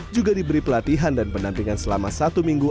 juga diberi pelatihan dan pendampingan selama satu minggu